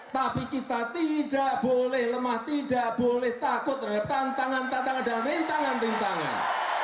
tapi kita tidak boleh lemah tidak boleh takut terhadap tantangan tantangan dan rintangan rintangan